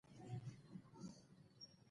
• د انګورو موسم ډیر انتظار کیږي.